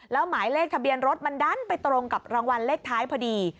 แล้วหมายเลขทะเบียนรถมันดันไปตรงกับรางวัลเลขท้ายพอดี